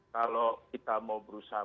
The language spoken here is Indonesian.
kalau kita mau berusaha